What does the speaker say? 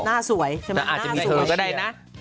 หน้าสวยใช่ไหมหน้าสวยงั้นอาจจะมีเธอก็ได้นะ